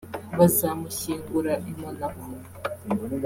bazamushyingura i Monaco